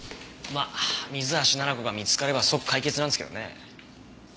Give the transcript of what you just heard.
まあ水橋奈々子が見つかれば即解決なんですけどね。